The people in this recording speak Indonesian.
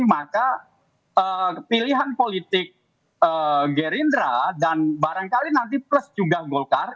maka pilihan politik gerindra dan barangkali nanti plus juga golkar